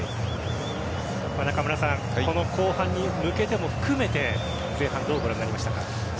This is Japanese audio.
この後半に向けても含めて前半、どうご覧になりましたか？